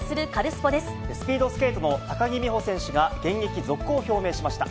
スピードスケートの高木美帆選手が、現役続行を表明しました。